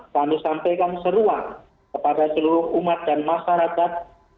kami sampaikan seruan kepada seluruh umat dan masyarakat